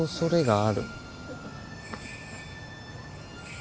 あ